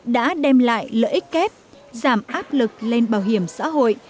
đã đem lại lợi ích kép giảm áp lực lên bảo hiểm xã hội